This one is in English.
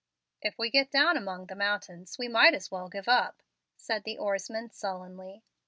"If we get down among the mountains, we might as well give up," said the oarsman, sullenly.